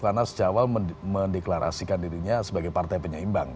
karena sejauh mendeklarasikan dirinya sebagai partai penyeimbang